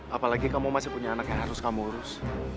apalagi kamu masih punya anak yang harus kamu urus